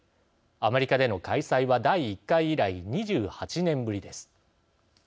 アメリカでの開催は第１回以来、２８年ぶりです。